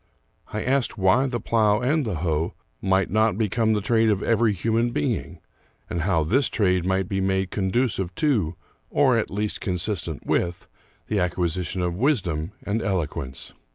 I asked why the plow and the hoe might not become the trade of every human being, and how this trade might be made conducive to, or at least consistent with, the acquisition of wisdom and eloquence.